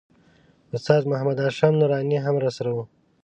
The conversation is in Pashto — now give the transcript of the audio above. استاد محمد هاشم نوراني هم راسره و.